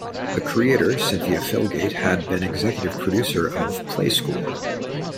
The creator Cynthia Felgate had been executive producer of "Play School".